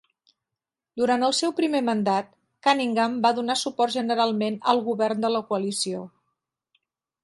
Durant el seu primer mandat, Cunningham va donar suport generalment al govern de la Coalició.